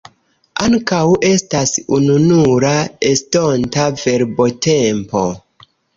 Ankaŭ estas ununura estonta verbotempo.